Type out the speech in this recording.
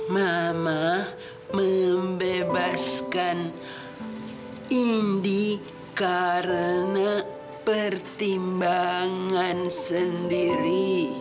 mama membebaskan indi karena pertimbangan sendiri